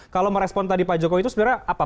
kalau merespon tadi pak jokowi itu sebenarnya apa